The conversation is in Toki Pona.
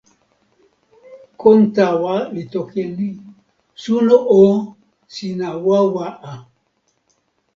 kon tawa li toki e ni: suno o, sina wawa a.